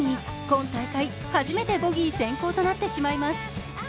今大会、初めてボギー先行となってしまいます。